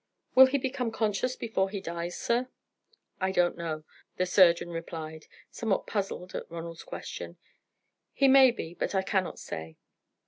"Will he become conscious before he dies, sir?" "I don't know," the surgeon replied, somewhat puzzled at Ronald's question. "He may be, but I cannot say."